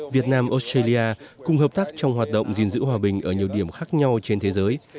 việt nam australia cùng hợp tác trong hoạt động gìn giữ hòa bình ở nhiều điểm khác nhau trên thế giới